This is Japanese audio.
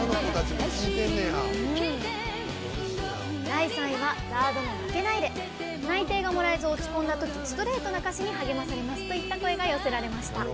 第３位は、ＺＡＲＤの「負けないで」。内定がもらえず落ち込んだときストレートな歌詞に励まされますといった声が寄せられました。